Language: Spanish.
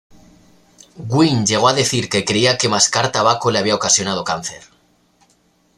Gwynn llegó a decir que creía que mascar tabaco le había ocasionado cáncer.